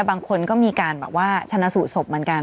บางคนก็มีการชนะสูบศพบางการ